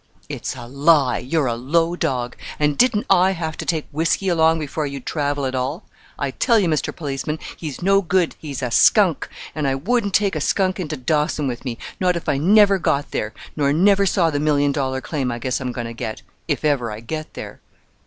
"It's a lie you're a low dog; and didn't I have to take whisky along before you'd travel at all? I tell you, Mr. Policeman, he's no good, he's a skunk, and I wouldn't take a skunk into Dawson with me, not if I never got there, nor never saw the million dollar claim I guess I'm going to get if ever I get there."